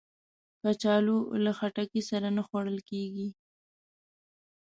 کچالو له خټکی سره نه خوړل کېږي